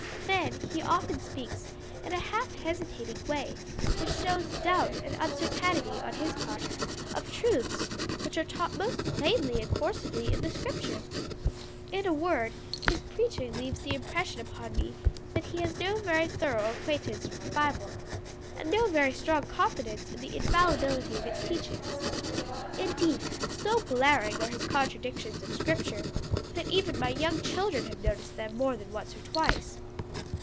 Then he often speaks in a half hesitating way, which shows doubt and uncertainty, on his part, of truths which are taught most plainly and forcibly in scripture. In a word, his preaching leaves the impression upon me that he has no very thorough acquaintance with the Bible, and no very strong confidence in the infallibility of its teachings. Indeed so glaring are his contradictions of scripture, that even my young children have noticed them more than once or twice."